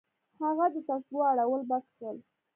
هغه د تسبو اړول بس کړل.